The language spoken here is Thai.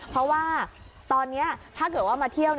เพราะว่าตอนนี้ถ้าเกิดว่ามาเที่ยว